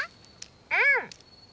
うん！